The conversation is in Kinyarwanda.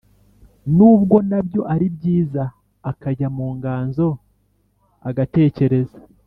nubwo na byo ari byiza, akajya mu nganzo, agatekereza,